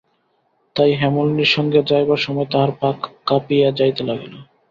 তাই হেমনলিনীর সঙ্গে যাইবার সময় তাহার পা কাঁপিয়া যাইতে লাগিল।